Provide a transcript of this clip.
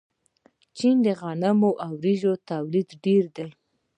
د چین د غنمو او وریجو تولید ډیر دی.